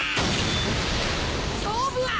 勝負は。